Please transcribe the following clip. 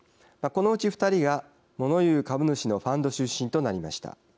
このうち２人がもの言う株主のファンド出身となりました。